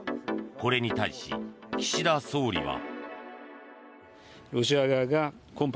これに対し岸田総理は。